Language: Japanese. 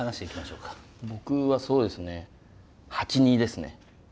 僕はそうですね８２ですね。